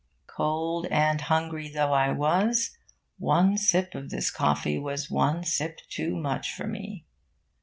Cold and hungry though I was, one sip of this coffee was one sip too much for me.